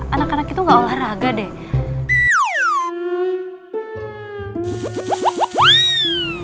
anak anak itu gak olahraga deh